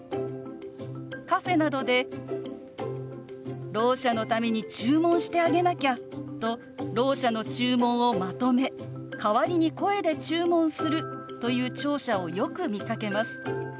カフェなどでろう者のために注文してあげなきゃとろう者の注文をまとめ代わりに声で注文するという聴者をよく見かけます。